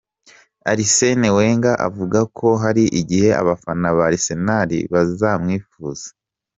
Arisene Wenga avuga ko hari igihe abafana ba Arisenali bazamwifuza